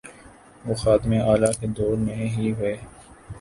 وہ خادم اعلی کے دور میں ہی ہوئے۔